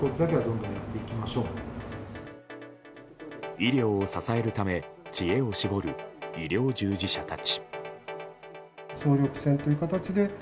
医療を支えるため知恵を絞る医療従事者たち。